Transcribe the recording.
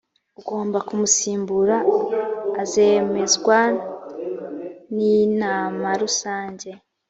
ugomba kumusimbura azemezwa n inama rusange